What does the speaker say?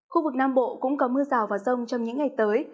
khu vực nam bộ cũng có mưa rào và rông trong những ngày tới